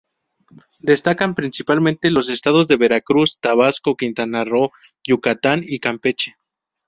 Destacan principalmente los estados de Veracruz, Tabasco, Quintana Roo, Yucatán y Campeche.